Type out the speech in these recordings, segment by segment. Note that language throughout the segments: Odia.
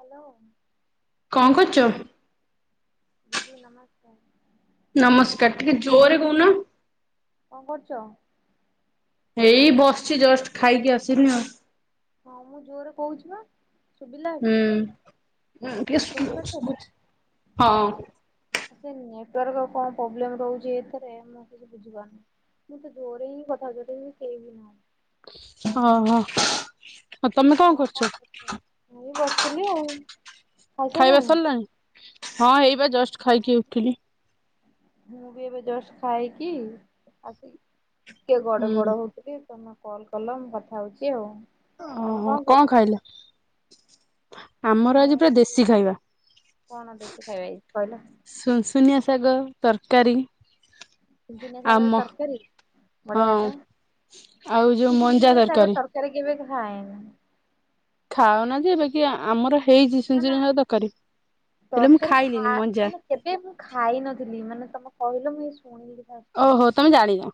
ହାଲୋ। କଣ କରୁଛ? ଦିଦି ନମସ୍କାର। ନମସ୍କାର ଟିକେ ଜୋରେ କହୁନ। କଣ କରୁଚ। ଏଇ ବସିଛି ଜଷ୍ଟ ଖାଇକି ଆସିନି ଆଉ। ହଁ ମୁଁ ଜୋରରେ କହୁଛି ବା। ଶୁଭିଲା ଏବେ ହୁଁ ଟିକେ ସ୍ଲୋ ଶୁଣିପାରୁଛ ତ? ଶୁଗୁଚି ହଁ। ସେ ନେଟୱାର୍କ କଣ ପ୍ରୋବ୍ଲେମ ରହୁଛି ଏଥରେ ମୁଁ କିଛି ବୁଝିପାରୁନିଁ ମୁଁ ତ ଜୋରେ ହିଁ କଥାି ହଉଚି ଏଥି ତ କେହି ନାହାନ୍ତି। ଓୋ ହ। ହଁ ମୁଁ ବି ବସିଥିଲି ଆଉ ଖସିଲାଣି। ଏବେ ଜଷ୍ଟ ଖାଇକି ଉଠିଲି। ମୁଁ ବି ଏବେ ଜଷ୍ଟ ଖାଇକି ଆସି ଲି। ଟିକେ ଗଡ ହୁଁ। ପଡ ହଉଥିଲି। ତମେ କଲ୍ କଲ ମୁଁ କଥା ହେଉଛି ଆଉ। ଓହୋ କଣ ଖାଇଲ। ଆମର ଆଜି ପୁରା ଦେଶୀ ଖାଇବା କଣ ଦେଶୀ ଖାଇବା ହେଇଛି କହିଲ? ସୁ ଶୁନିଆ ଶାଗ। ତରକାରୀ। ଛୁନଛୁନିଆ ଆଉ ସାଗର ମ ତରକାରୀ ବଢିଆ ହଁ ତ ଆଉ ଯୋଉ ମୁଁ ମଞ୍ଜା ଛୁନଛୁନିଆ ସାଗ ତରକାରୀ କେବେ ଖା ଖାଇନି। ଖାଉନା ଯେ ଏ ବାକି ଆମର ହେ ନା ନା ହେଲେ ମୁଁ ତରକାରୀ ଖାଇଲିନି ଖା ମଞ୍ଜା। ମାନେ କେବେ ମୁଁ ଖାଇ ନଥିଲି ମାନେ ତମ କହିଲ ମୁ ଏଇ ଶୁ ଓହୋ ତମେ ଜାଣିନ।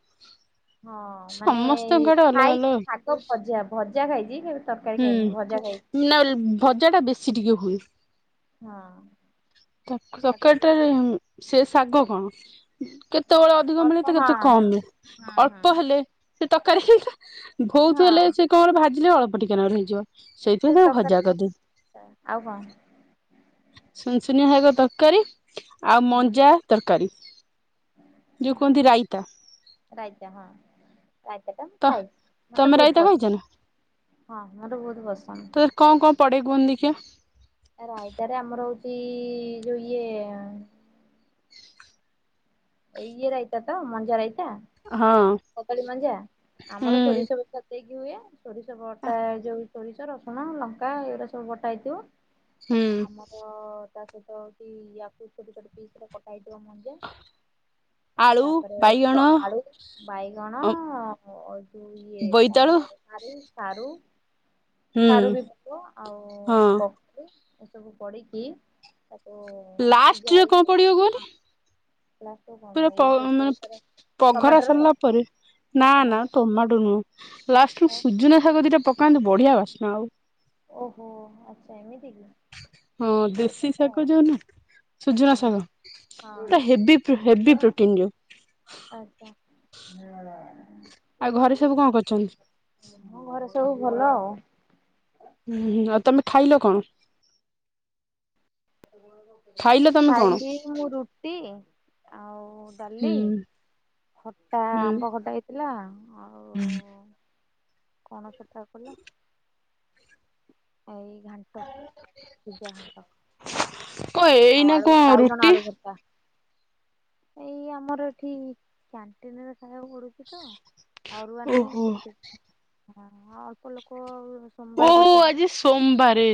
ହଁ ମାନେ ସମସ୍ତଙ୍କ ଆଡେ ଅଲଗା ଖାଇ ଅଲଗା ଚି ସାଗ ଭଜା ଭଜ ଭଜା ଖାଇଛି। ତରକାରୀ ଖାଇନି ଭଜା ଖାଇଛି ହୁଁ ନଏଲେ ଭଜା ଟା ବେଶୀ ଟିକେ ହୁଏ। ହଁ। ତ ତକାରି ତରକାରୀ ଟା ଜ ସେଷ ଶାଗ କଣ କେତେ କେତେବେଳେ ଅଧିକ ଅଳ୍ପ ମିଳେ ତ ହଁ କେତେ କମ ମିଳେ ହଁ ଅଳ୍ପ ହଁ ହେଲେ। ସେ ତକାରୀ ହେଇଲା। ବହୁତ ହେଲେ ହଁ ସେ କଣ ଭାଜିଲେ ଅଳ୍ପ। ପଟିକାନାରେ ର ହେଇଯିବ। ସେଇଥିପାଇଁ ସେ ତାକୁ ତ ଭଜା କରିଦିଏ କରିଟା ଆଉ କଣ? ସୁୁନିଆ ଶାଗ ତରକାରୀ ଆଉ ମଞ୍ଜା ତରକାରୀ। ଯୋଉ ହଁ କୁହନ୍ତି ରାଇତା ହଁ ରାଇତା ହ, ରାଇତା ଟା ମୁଁ ତ ଖାଇଚି ମତେ ତମେ ବହୁତ ରାଇତା ଖାଇଛ ପସନ୍ଦ ନା? ହଁ ମୋର ବହୁତ ତ କଣ କଣ ପଡେ ପସନ୍ଦ କୁହନି ଦେଖିବା ର ରାଇତା ରେ ଆମର ହଉ ଯୋ ଇଏ ଇଏର ଆଇତା ତ ମଞ୍ଜା ରାଇତା? ହଁ କଦଳୀ ମଞ୍ଜା ଆମର ହୁଁ। ସୋରିଷବେସର ଦେଇକି ହୁଏ। ସୋରିଷବଟା ଏ ଯୋଉ ସୋରିଷ ରସୁଣ ଲଙ୍କା ଏଗୁଡା ସବୁ ବଟା ହେଇଥିବ। ହୁଁ ଆମର ତା ସହିତ କି ୟାକୁ ଛୋଟ ଛୋଟ ପିସ ରେ କଟା ହେଇଥିବ। ଏକ ମଞ୍ଜା ଆଳୁ ତାପରେ ବାଇଗଣ ଏକ ଆଳୁ ବାଇଗଣ। ତୁ ଇଏ କଣ ବୋଇତାଳୁ କହନ୍ତି ସାରୁ। ସାରୁ। ହୁଁ ସାରୁ ବି ପକଉ ଆଉ ହଁ ପକେଇ ସବୁ ପଡିକି ତାକୁ ଲାଷ୍ଟରେ କଣ ପଡିବ କୁହନି? ଲାଷ୍ଟ ରେ କଣ ଏସବୁ କରିସାଇଲା ଟମାଟୋ। ସଲାପରେ ନା ନା ଟମାଟୋ ନୁହ। ଲାଷ୍ଟରେ ଆଉ ସୁଜୁନା ଶାଗ ଦିଟା ପକାନ୍ତୁ। ବଢିଆ ବାସନା ଆଉ ଓହୋ ଆଚ୍ଛା ଏମିତି। କି ହଁ ହଉ ଦେଶୀ ତାହେଲେ ଶାଗ ଆଉ ଯଉ ନା ସୁଜୂନା ଶାଗ ହୁଁ। ଏଟା ହେଭି ହେଭି ପ୍ରୋଟିନ ଯୋଉ। ଆଚ୍ଛା ହଁ। ଆଉ ଘରେ ସବୁ କଣ କରୁଚନ୍ତି? ହଁ ଘରେ ସବୁ ଭଲ ଆଉ। ହୁଁ ହୁଁ ଆଉ ତମେ ଖାଇଲ କଣ? ଖାଇଲ ତମେ କଣ? ଖାଇଲି ମୁଁ ରୁଟି। ଆଉ ଡାଲି, ହୁଁ ଖଟା ହୁଁ ଆମ୍ବ ଖଟା ହେଇଥିଲା ଆଉ କଣ କଥା କହିଲ। ଏଇ ଘାଣ୍ଟ ପୂଜା ଘାଣ୍ଟ କଣ ଆଉ ଏଇନା ଆଳୁ କଣ ବାଇଗଣ ରୁଟି ଆଳୁ ଭରତା ଏଇ ଆମର ଏଠି କ୍ୟାଣ୍ଟିନ ରେ ଖାଇବାକୁ ପଡୁଛି ତ ଆରୁଆ ନାଇଁ ଓହୋ ସେଠି ହ ଅଳ୍ପ ଲୋକ ଆଉ। ଓହୋ ଆଜି ସୋମବାରେ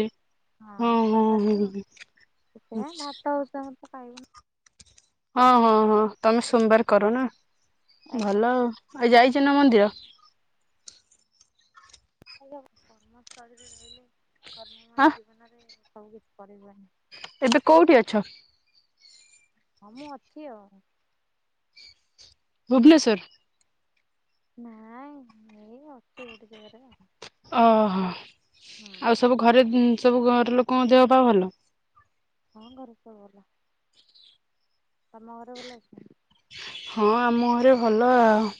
ହଁ ହଁ ସୋମବାର ହଁ ତ ହଁ ଆଚ୍ଛା। ପାଇବୁ। ହଁ ହଁ ହଁ। ତମେ ସୋମବାର କର ନା ଆଜ୍ଞା ଭଲ ଆଉ ଯାଇଛ। ନ ମନ୍ଦିର [unintelligible] କର୍ମମୟ ହଁ ଜୀବନରେ ସବୁ କିଛି କରିବନି। ଏବେ କୋଉଠି ଅଛ। ହଁ ମୁଁ ଅଛି ଆଉ ଭୁବନେଶ୍ଵର ନାଇଁ ଏଇ ଅଛି ଗୋଟେ ଜାଗାରେ ଆ ଓହୋ ଆଉ ସବୁ ଘରେ ସବୁ ଘର ଲୋକଙ୍କ ଦେହ ପା ଭଲ ହଁ ଘରେ ସବୁ ବଲା ତମ ଘରେ ବଲ ଅଛ। ହଁ ଆମ ଘରେ ଭଲ ଆଉ।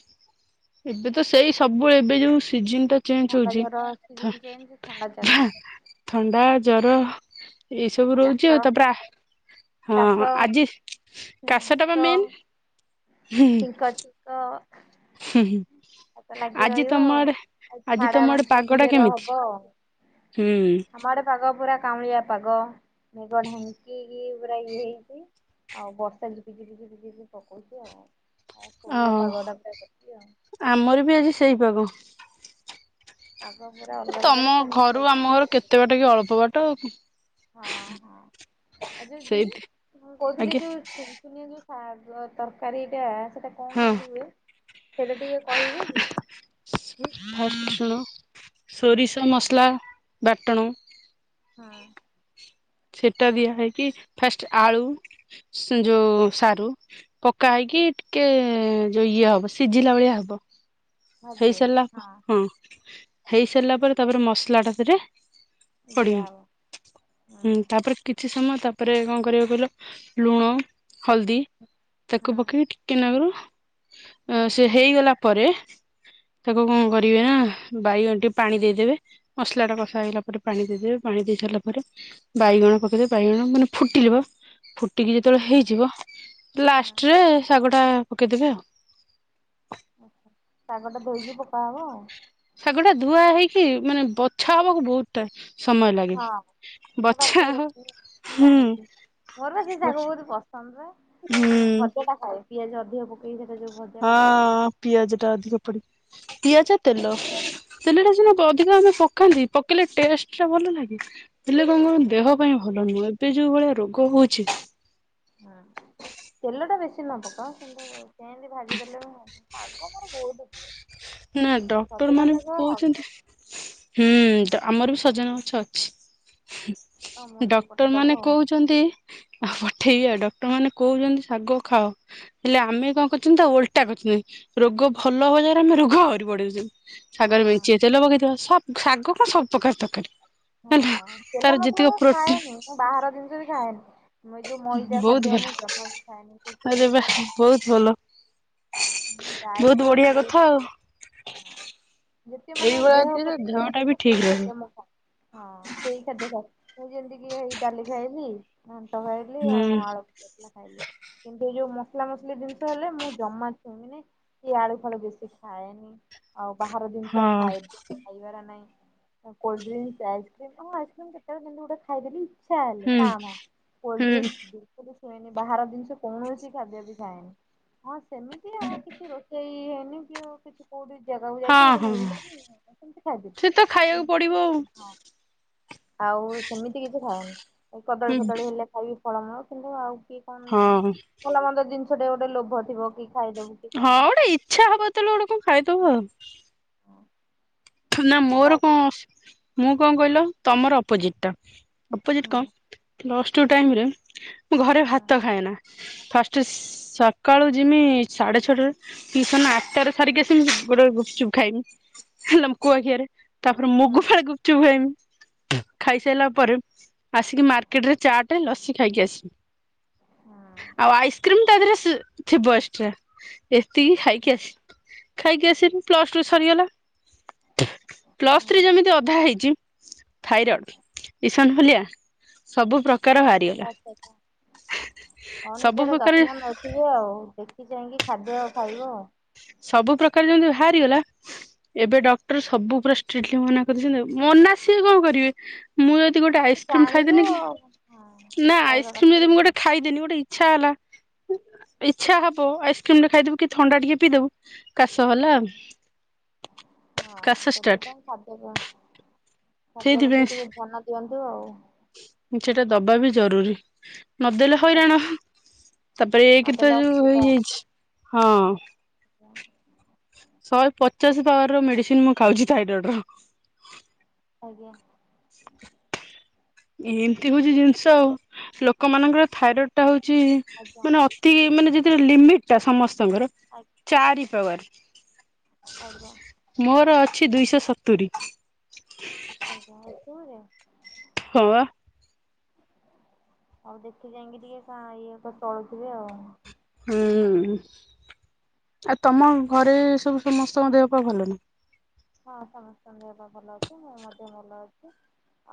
ଏବେ ତ ସେଇ ସବୁବେଳେ ଏବେ ଯୋଉ ସିଜିନ ଚଞ୍ଜ ଥଣ୍ଡା ହଉଛି ଜର ଥ ସିଜିନ ଚେଞ୍ଜ ଥଣ୍ଡା ଜର ଥ ଥଣ୍ଡା ଜର ଏଇସବୁ ରହୁଛି କାଶ ଆଉ ତାପ ହଁ କାଶ ଆଜି କାଶ ଟା ବା ତ ମେନ୍ ହଁ। ଛିଙ୍କ ହୁଁ ହୁଁ। ଆ ତ ଲାଗି ରହିବ ଆ ଆଉ ଆଜି ଝାଡା ତମ ଆଡେ ବାନ୍ତି ପାଗ ଟା ଟିକେ କେମିତି? ରହବ ଆଉ ହୁଁ ଆମ ଗଡେ ପାଗ ପୁରା କାମଳିଆ ପାାଗ ନିବଡ କି ପୁରା ଇଏ ହେଇଛି ଆଉ ବର୍ଷାଝିପିଝିପି ଝିପିଝିପି ପକଉଛି ଆଉ। ଆଉ ଶୋଇଆ ଓହୋ ପାଗଟା ପା କରିିଛି ଆଉ। ଆମର ବି ଆଜି ସେଇ ପାଗ ପାଗ ପୁରା ଅଲଗା ତମ ପ୍ରକାର ଖାଲି ଘରୁ ଖାଇବ ଆମ ଘର ପିବ କେତେ ଶୋଇବ ବାଟ କି ଅଳ୍ପ ବାଟ ଆଉ ହଁ ହଁ ଆଉ ଯ ଦି ସେଇଥି ମୁ କହୁଥିଲି ଆଜ୍ଞା ଯୋଉ ଶୁନ ସୁନିଆ ଶାଗ ତରକାରୀଟା ସେ କଣ ହଁ। କେମତି ହୁଏ। ସେଇଟା ଟିକେ କହିବେ କି? ଫାଷ୍ଟ ନ। ସୋରିଷ ଆଜ୍ଞା ମସଲା ବାଟ୍ ଟାଣୁ। ହଁ। ସେଟା ଦିଆ ହେଇକି ଫାଷ୍ଟ ଆଳୁ ଯୋଉ ସାରୁ ପକା ହେଇକି ଟିକେ ଯୋଉ ଇଏ ହବ, ସିଝିଲା ଭଳିଆ ହବ। ହେଇସାରିଲା ହଁ। ହେଇ ସାରିଲା ପରେ ତାପରେ ମସଲା ଟା ସେରେ ଦିଆହବ। ହଁ ହୁଁ ତାପରେ କିଛି ମ ତାପରେ, କଣ କରିବ କହିଲ? ଲୁଣ, ହଲଦୀ ହଁ ତାକୁ ପକେଇକି ଟିକେ ନାଗରୁ ଅଁ ସେ ହଁ ହେଇଗଲା ପରେ ତାକୁ କଣ କରିବେ ନା, ବାଇଗଣ ଟିକେ ପାଣି ଦେଇଦେବେ। ମସଲା ଟା କଷା ହେଇଲା ପରେ ପାଣି ଦେଇଦେବେ ପାଣି ଦେଇ ସାରିଲା ପରେ ବାଇଗଣ ପକେଇଦେ ବାଇଗଣ ମାନେ ଫୁଟିଲିବ। ଫୁ ଟିକି ଯେତେବେଳେ ହଁ ହେଇଯିବ। ହଁ ଲାଷ୍ଟରେ ଶାଗଟା ପକେଇଦେବେ ଆଉ। ଶାଗଟା ଧୋଇକି ପକା ହବ ଆଉ। ଶାଗ ଟା ଧୁଆ ହେଇକି, ମାନେ ବଛା ହବାକୁ ବହୁତ ଟାଏ ହଁ ସେ ରାତିିକି ହବ ରଖିଛି ମୁଁ ହୁଁ ଜାଣିଛି ମୋର ବା ସେଇ ଶାଗ ବହୁତ ପସନ୍ଦର। ହୁଁ ମୁଁ ଭଜା ଟା ଖାଏ। ପିଆଜ ଅଧିକ ପକେଇରେ ହଁ ପିଆଜ ଟା ଅଧିକ ପଡି ପିଆଜ ତେଲ। ତେଲଟା ସିନା ଦଧିକ ଆମେ ପକାନ୍ତି, ପକେଇଲେ ଟେଷ୍ଟ ଟା ଭଲ ଲାଗେ। ହେଲେ କଣ କହିଲ ଦେହ ପାଇଁ ଭଲ ନୁହଁ। ଏବେ ଯୋଉ ଭଳିଆ ରୋଗ ହଉଛି। ହୁଁ ତେଲଟା ବେସି ନ ପକାଅ। କିନ୍ତୁ, କେମତି ଭାଜିଦେଲେ, ଶାଗ ମୋର ବହୁତ ପ୍ରିୟ। ନା ଡକ୍ଟର ସଜନା ମାନେ ବି ଶାଗ କହୁଛନ୍ତି ହୁଁ, ଡ଼ ଆମର ବି ସଜନା ଗଛ ଅଛି। ହୁ ଆଉ ମୋ ହ ନାଗି ଡକ୍ଟର ପଠେଇଦବ ମାନେ ଆଉ। କହୁଛନ୍ତି ହ ପଠେଇଆ, ଡକ୍ଟର ମାନେ କହୁଛନ୍ତି, ଶାଗ ଖାଅ ହେଲେ ଆମେ କଣ କରିଛନ୍ତି? ତା ଓଲଟା କରିଛନ୍ତି, ରୋଗ ଭଲ ହବାଜାରେ ଆମେ ରୋ ଘରୁ ବଡ଼ଉଛନ୍ ହଁ ସାଗରେ ମେନ୍ଚେ ତେଲ ପକେଇଥିବ। ସବ୍ ଶାଗ କଣ ସବୁ ପ୍ରକାର ତରକାରୀ ହଁ ହେଲା ତାର ତେଲ ମସଲା ଯେତିକ ମୁଁ ପ୍ରୋଟିନ ଖାଏନି ମୁଁ ବାହାର ଜିନିଷ ବି ଖାଏନି ମୁ ଯୋଉ ମଇଦା ବହୁତ ଖାଦ୍ୟ ଭଲ ମୁଁଫା ଖାଏନି ଆରେ ବା ତକୁରିକ ବହୁତ ଭଲ ଖାଏନିାଇ ବହୁତ ବୋଧେ ବଢିଆ ବହୁ କଥା ଆଉ ହଁ ଯେତେ ମାନେ ଏଇଭଳିଆ ଦେହ ଥିଲେ ପ୍ରତି ଦେହ ଟା ବି ସୁସ୍ଥ ଠିକ ସେଇ ରହିବ ଖ ହଁ ସେଇ ଖା ମୁଁ ଯେମିତି କି ଏଇ ଡାଲି ଖାଇଲିି ଭ ଖାଇଲି ହୁଁ ଆଉ ଆଳୁ ଖାଇଲି କିନ୍ତୁ ଏ ଯୋଉ ମସଲା ମସଲି ଜିନିଷ ହେଲେ ମୁଁ ଜମା ଛୁଇଁିନି କି ଆଳୁ ଫଳୁ ବେଶି ଖାଏନି ଆଉ ବାହାର ହଁ ଜିନିଷ ଖାଇଦ ଖାଇବାର ନାହିଁ କୋଲଡ୍ରିଙ୍କ ଆଇକ୍ରିମ ଆସ୍କ୍ରିମ୍ କେତବେଳେେଲି ଗୋଟେ ଖାଇଦେଲି ଚାଲେ ହୁଁ କାମ ହୁଁ କଲଡ୍ରିଙ୍କ ବ ହୁଏନି ବାହାର ଦିନ କୌଣସି ଖାଦ୍ୟ ପଛି ଯାଏନି ହଁ ସେମିତି ଆଉ କିଛି ରୋଷେଇ ହେଇନି କି ଆଉ କିଛି କୋଉଠି ଜାଗାକୁ ହଁ ଯାଇଛି ଗୋଟେ ହଁ ମିଳିଲାନି ସେମି ଖାଦ ସେ ତ ଖାଇବାକୁ ପଡିବ କେତି ହ ଆଉ ସେମିତି କିଛି ଖାଏନି କଦଳୀ ଆଉ କଦଳୀ ହେଲେ ଖାଇ ଫଳମଳ କିନ୍ତୁ ଆଉ କ ହଁ କ ମ ଜିନିଷ ସେଟେ ଗୋଟେ ଲୋଭ ଥିବ କି ଖାଇଦବୁ କି ହଁ କଣ ଗୋଟେ ନହେଲେ ଇଚଛା ହବ ତଲେ ଗୋଟେ କଣ ଖାଇଦବ ଆଉ ନ ମର ଆଉ କ କିଛି ମୁଁ କଣ କହିଲ ତମର ଅପୋଜିଟ ଟା ଅପୋଜିଟ ହୁଁ ହୁଁ କଣ ହୁଁ ଲ ୁ ଟାଇମ ରେ ମୁଁ ଘରେ ଭାତ ଖାଏ ନା ଫାଷ୍ଟ ସକାଳୁ ଯମି ସାଢେ ଛଅଟାରେ ଟିସନ ଆଠଟରେ ସାରିକି ଆସମି ଗୋଟେ ଗୁପଚୁପ୍ ଖାଇମି କୁହାଖଆରେ ତାପରେ ମୁଗୁ ଫା ଗୁପଚୁ ହୁ ଏମି ଖାଇସାରିଲା ପରେ ଆସିକି ମାର୍କେଟ ରେ ଚା ଟା ଲସି ଖାଇକି ଆସିବି ହୁଁ ଆଉ ଆଇସ୍କ୍ରିମ ତା ଦେହରେ ଥିବ ଏକ୍୍ରା ତୁ ଖାଇକି ଆସି ଖାଇକି ଆସିବି ପ୍ଲସ ଟୁ ସରିଗଲା ପ୍ଲସ୍ ଥ୍ରୀ ଯେମିତି ଅଧା ହେଇଛି ଥାଇରଏଡ଼ ଇସନ ଫୁଲିଆ। [inaudible] ଆଛା ଆଛା [inaudible] ହଉ ସବୁ ନିଜର ପ୍ରକାର ଯତ୍ନ ନଉଥିବେ ଆଉ। ଯାଇକି ଖାଦ୍ୟ ଖାଇବ। ସବୁ ପ୍ରକାର ଯେମତି ବାହାରିଗଲା। ଏବେ ଡକ୍ଟର ସବୁ ଷ୍ଟ୍ରିଟଲି ମନା କରିଦେଇଚନ୍ତି। ମନା ସିଏ କଣ କରିବେ। ମୁଁ ଯଦି ଗୋଟେ ହଁ ତୁ ଆଇସ୍କ୍ରିମ ଜାଣିଲୁ ଖାଇଦେନି କି ଆଉ ହଁ ନା ଖାଇବା ଆଇସ୍କ୍ରିମ କଥା ଯଦି ବି ମୁଁ ନୁହଁ। ଗୋଟେ ଖାଇଦେନି ଗୋଟେ ଇ ଇଛା ହେଲା [inaudible] ଇଛା ହବ ଆଇସ୍କ୍ରିମ ଟେ ଖାଇଦବୁ କେ ଥଣ୍ଡା ଟିକେ ପି ଦବୁ। କାଶ ହେଲା। ହଁ କାଶ ଷ୍ଟାର୍ଟ ସେଥିପାଇଁ ଖଦ କ ଖାଦ୍ୟ ସେଇଥିପାଇଁ ପ୍ରତି ଟିକେ ଧ୍ୟାନ ଦିଅନ୍ତୁ ଆଉ। ବା ବି ଜରୁରୀ। ନଦେଲେ ହଇରାଣ ଆଜ୍ଞା ତାପରେ ଏକ ତ ନଦେଲେ ଯୋଉ ଅସୁବିଧା ହେଇଯାଇଛି ହଁ। [inaudible] ଶହେ ପଚାଶ ପାୱାର ମେଡିସିନ ମୁଁ ଖାଉଛି ଥାଇରଏଡର। ଆଜ୍ଞା। ହ ଏମିତି ହଉଛି ଜିନିଷ ଆଉ ଲୋକମାନଙ୍କର ଥାଇରଏଡ ଟା ହଉ ଛି ଆଜ୍ଞା ମାନେ ଅତି ମାନେ ଯି ଲିମିଟ୍ ଟା ସମସ୍ ଆଜ୍ଞା ଚାରି ପାୱାର ଆଜ୍ଞା [inaudible] ମୋର ଅଛି ଦୁଇଶହ ସ ତୁରି ଆଜ୍ଞା ଏତବେଳେ। ହଁବା। [inaudible] ଆଉ ଦେଖି ଚାହିଁକି ଟିକେ ଇଏ ତ ଚଳୁଥିବୁ ଆଉ। ହୁଁ [inaudible] ଆ ତମ ଘରେ ସବୁ ସମସ୍ତଙ୍କ ଦେହ ପା ଭଲନା। ହଁ ସମସ୍ତଙ୍କ ଦେବା ଭଲ ଅଛି ମୁଁ ମଧ୍ୟ ଭଲ ଅଛି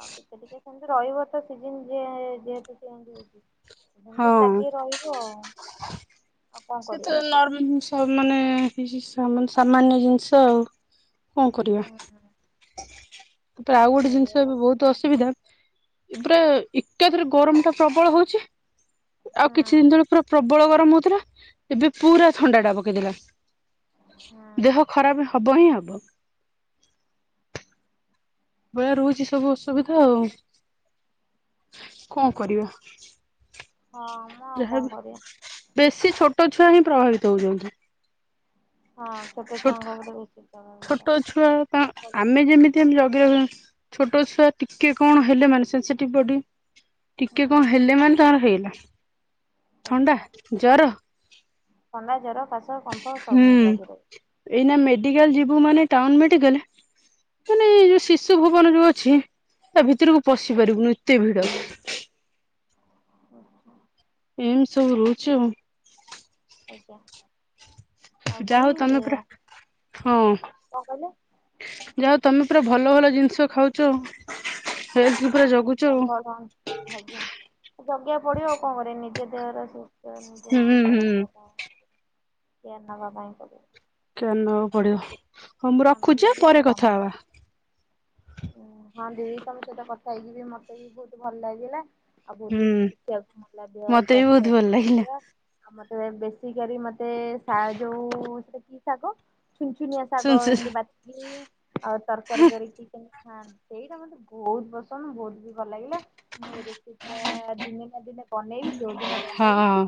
ଆଉ ଟିକେ ଟିକେ ସେମିତି ରହିବ ତ ସିଜିନ ଯେହେତୁ ଚେଞ୍ଜ ହୋଉଚି। ହଁ ଲାଗି ରହିବ ଆଉ ଆ ସେ ତ [unintelligible] ମାନେ କିଛି ସାମନ୍ୟ ଜିନିଷ ଆଉ। କଣ କରିବା। ହୁଁ କିନ୍ତୁ ଆଉ ଗୋଟେ ସେଇଆ ଜିନିଷ ବି ହଉଛି ବହୁତ କଥା ହୁଁ ଅସୁବିଧା। ଏପରା ଏକାଥରେ ଗରମ ଟା ପ୍ରବଳ ହଉଛି। ଆଉ କିଛି ଦିନ ତଳେ ପୁରା ପ୍ରବଳ ଗରମ ଏବେ ପୁରା ଥଣ୍ଡା ଟା ପକେଇଦେଲା। ହୁଁ ଦେହ ଖରାପ ହବ ହିଁ ଆଉ। ସମ୍ଭବ। ଭଳିଆ ରହୁଛି ସବୁ ଅସୁବିଧା ଆଉ କଣ କରିବା। ହଁ ମୁଁ ଆଉ କଣ କରିବା। ସେ ଛୋଟ ଛୁଆ ହିଁ ପ୍ରଭାବିତ ହଉଛନ୍ତି। ହଁ ଛୁଆଙ୍କ ଛୋଟ ଉପରେ ବେଶୀ ପ୍ରଭାବିତ। ଛୋଟ ଛୁଆ ତ ଠିକ୍ କହିଲେ। ଆମେ ଯେମିତି ଆମେ ଜଗେଇବା ହ। ଛୋଟ ଛୁଆ ଟିକେ କଣ ହେଲେ ମାନେ ସେନ୍ସିଟିଭ ବଡି ଟିକେ କଣ ହୁଁ ହେଲେ ମାନେ ତଣ ହେଇଲା। ଆଜ୍ଞା ଥଣ୍ଡା ଜର କାଶ କମ୍ପ ସବୁ ଲାଗେ ଏଇନ ମେ ଲ ଯୁ ମାନ ଟ ମେଡିକା ମାନେ ଯଉ ଶିୁ ଭବନ ଯୋଉ ଅଛି ତା ଭିତରକୁ ପଶି ପାରିବୁନି ଏତେ ଭିଡ। ଆଚ୍ଛା। ଏମିତି ସବୁ ରହୁଛୁ ଆଉ। ଆଜ୍ଞା। ଆଉ ଯାହା ବି ହଉ ତମେ ପୁରରା ହଁ କଣ କହିଲେ ଯା ହଉ ତମେ ପୁରା। ଭଲ ଭଲ ଜିନିଷ ଖାଉଛ ଫ ଭଲ ଆଜ୍ଞା ଜଗିବାକୁ ପଡିବ ଆଉ କଣ କରରେ ନିଜେ। ତାରଶ। ହୁଁ ଯୟପ ତ ହୁଁ। ରଖ ଏ ନା ବାପାଇଁ କ କେ ନେବାକୁ ପଡିବ। ହଁ ମୁଁ ନ ନେଲେ ରଖୁଛି ପରେ କଥା ହବା। ଓ ହଁ ଦିଦି ତମ ସହିତ କଥା ହେଇକି ବି ମତେ ବି ବହୁତ ଭଲ ଲାଗିଲା। ଆଉ ଭହୁତ ହୁଁ ଚିକିତ୍ସାକୁ ମ ଦେ ମତେ ବି ସଵାସ୍ଥ୍ୟ ବହୁତ ଭଲ ଲାଗିଲା। କେ ଆମ ବିକା ମତେ ଯୋଉ କି ଶାଗ ଛୁନ ଛୁନିଆ ଶୁଣ ଶାଗ ଶୁ ଏମିତି ବାଛିକି ଆଉ ତରକାରୀ କରିକି। ହଁ ସେଇଟା ମତେ ବହୁତ ପସନ୍ଦ ବହୁତ ବି ଭଲ ଲାଗିଲା ମୁଁ ଏଇ ରେସିପି ଟା ଦିନେ ନା ଦିନେ ବନେଇବି। ଯଉଦିନ ବନେଇବି ହଁ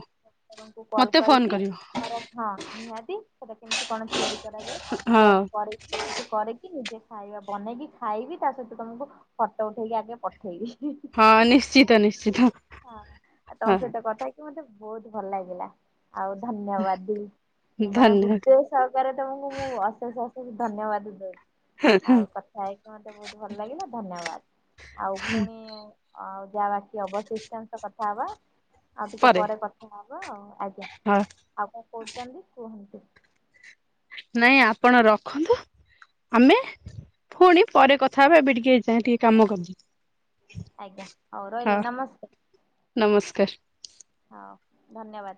କଲ ମତେ ଫୋନ କରିବି କରିବ ତାର ହଁ ନିହାତି। ସେଇଟା କେମିତି କଣ ତିଆରି। ସେ ହଁ ପରେ କି କିଛି। ନିଜେ ଖାଇବା ବନେଇକି। ଖାଇବି ତା ସହିତ ତମକୁ ଫଟୋ ଉଠେଇକି ଆଗେ ପଠେଇବି। ହଁ ନିଶ୍ଚିତ ନିଶ୍ଚିତ ହଁ ଆଉ ତମ ହଁ। ସହିତ କଥା ମତେ ହେଇକି ବହୁତ ଭଲ ଲାଗିଲା। ଆଉ ଧନ୍ୟବାଦ ଦେବି, ତା ମାନେ ଧନ୍ୟବାଦ ହୃଦୟ ସହକାରେ ତମକୁ ମୁଁ ଅଶେଷ ଅଶେଷ ଧନ୍ୟବାଦ ଦଉ ଆଉ କଥା ହେଇ ମତେ ବହୁତ ଭଲ ଲାଗିଲା ଧନ୍ୟବାଦ। ଆଉ ପୁଣି ଯାହା ବାକି ଅବଶିଷ୍ଟାନଶ କଥାବା। ଆଉ ଟିକେ ପରେ କଥା ହବ। ହବା ଆ ଆଜ୍ଞା ହଁ ଆଉ କଣ କହୁଚନ୍ତି କୁହନ୍ତୁ? ନାଇଁ ଆପ ପଣ ରଖନ୍ତୁ। ଆମେ ପୁଣି ପରେ କଥା ହବା ଏବେ ଟିକେ ହେଇଯାଏ ଟିକେ କାମ କରିଦିଏ। ଆଜ୍ଞା ହଉ ରହିଲି ନମସ୍କାର। ନମସ୍କାର। ହ ଧନ୍ୟବାଦ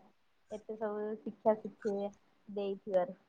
ଏତେ ସବୁ ଶିକ୍ଷା ଶିକ୍ଷା ଦେଇଥିବାରୁ।